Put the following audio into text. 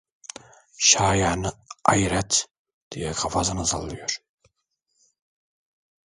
"Şayanı ayret!" diye kafasını sallıyor…